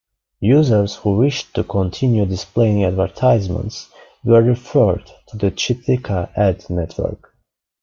Users who wished to continue displaying advertisements were referred to the Chitika ad network.